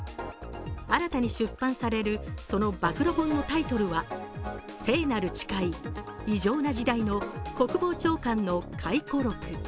新たに出版されるその暴露本のタイトルは「聖なる誓い異常な時代の国防長官の回顧録」。